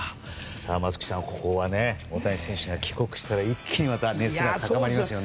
松木さん、ここは大谷選手が帰国したら一気にまた熱が高まりますよね。